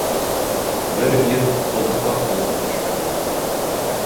Бер ир ҡоҙоҡҡа ҡолап төшкән.